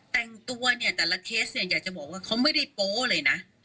แต่งตัวเนี่ยแต่ละเคสเนี่ยอยากจะบอกว่าเขาไม่ได้โป๊เลยนะ